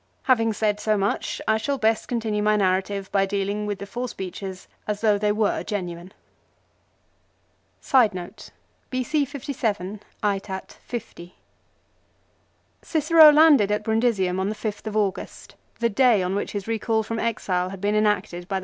Having said so much I shall best continue my narrative by dealing with the four speeches as though they were genuine. Cicero landed at Brundusium on the 5th August, the ,,.. day on which his recall from exile had been enacted JJ.